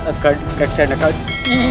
kucunganmu yang terhormat kicurali